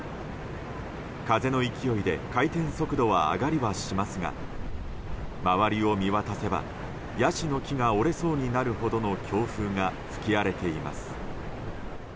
風の勢いで回転速度は上がりはしますが周りを見渡せばヤシの木が折れそうになるほどの強風が吹き荒れています。